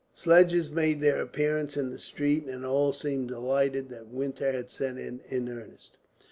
Sledges made their appearance in the streets, and all seemed delighted that winter had set in, in earnest.